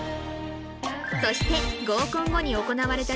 そして